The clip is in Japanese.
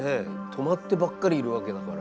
止まってばっかりいるわけだから。